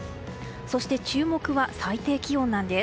そして、注目は最低気温なんです。